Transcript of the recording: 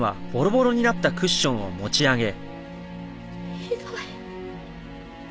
ひどい。